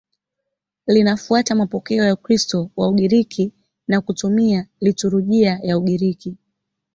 Linafuata mapokeo ya Ukristo wa Ugiriki na kutumia liturujia ya Ugiriki.